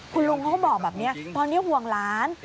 คุณลุงเขาก็บอกแบบนี้ตอนนี้ห่วงหลาน